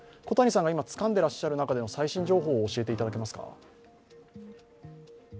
小谷さんが今つかんでいらっしゃる中での最新情報を教えていただけますか？